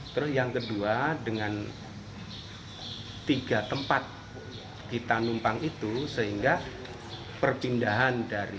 terus yang kedua dengan tiga tempat kita numpang itu sehingga perpindahan dari